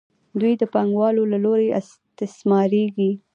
دوی د پانګوالو له لوري استثمارېږي